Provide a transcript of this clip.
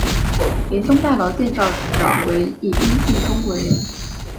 林东大楼建造者为一丁姓中国人。